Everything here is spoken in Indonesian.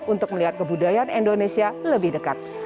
untuk melihat kebudayaan indonesia lebih dekat